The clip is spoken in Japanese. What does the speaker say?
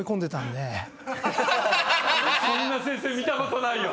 そんな先生見たことないよ。